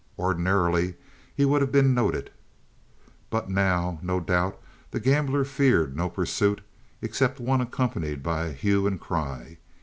Ordinarily he would have been noted, but now, no doubt, the gambler feared no pursuit except one accompanied by a hue and cry.